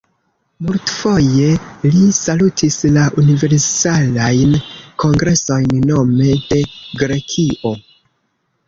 Multfoje li salutis la Universalajn Kongresojn nome de Grekio.